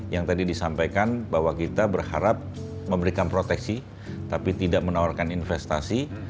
yang tadi disampaikan bahwa kita berharap memberikan proteksi tapi tidak menawarkan investasi